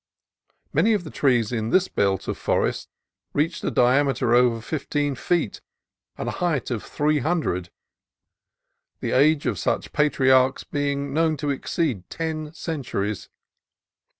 Many of the trees in this belt of forest reach a diameter of over fifteen feet and a height of three hundred, the age of such patriarchs being known to exceed ten centu ries.